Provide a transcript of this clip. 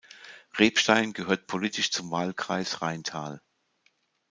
Rebstein gehört politisch zum Wahlkreis Rheintal.